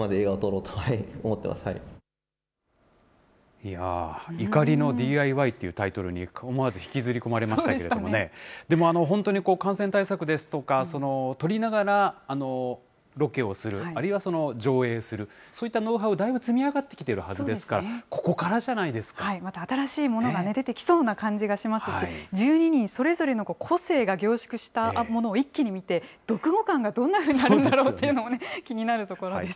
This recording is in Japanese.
いやあ、怒りのＤＩＹというタイトルに思わず引きずり込まれましたけれどもね、でも本当に感染対策ですとか、その取りながらロケをする、あるいは上映する、そういったノウハウがだいぶ積み上がっているはずですから、ここまた新しいものが出てきそうな感じがしますし、１２人それぞれの個性が凝縮したものを一気に見て、読後感がどんなふうになるのかっていうのが気になるところです。